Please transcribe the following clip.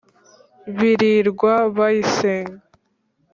Birirwa bayisenga